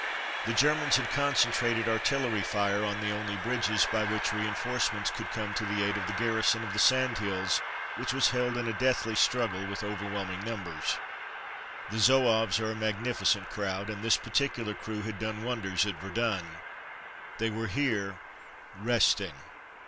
The Germans had concentrated artillery fire on the only bridges by which reinforce ments could come to the aid of the garrison of the sand hills which was held in a deathly struggle with overwhelming numbers. The Zouaves are a magnificent crowd, and this particular crew had done wonders at Verdun. They were here "resting.''